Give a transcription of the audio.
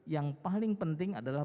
yang paling penting adalah